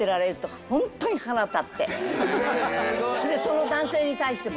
それでその男性に対しても。